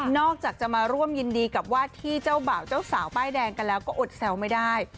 อกจากจะมาร่วมยินดีกับว่าที่เจ้าบ่าวเจ้าสาวป้ายแดงกันแล้วก็อดแซวไม่ได้